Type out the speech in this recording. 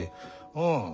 うん。